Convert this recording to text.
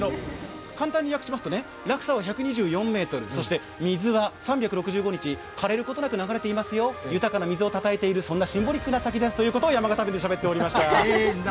簡単に訳しますと、落差は１２４ｍ、そして水は３６５日かれることなく流れていますよ、豊かな水をたたえている、そんなシンボリックな滝ですということを山形弁で話していました。